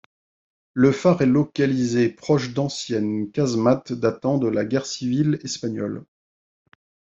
Le phare est localisé proches d'anciennes casemates datant de la Guerre civile espagnole.